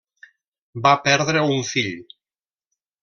Va perdre un fill.